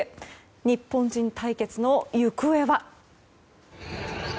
日本人対決の行方は？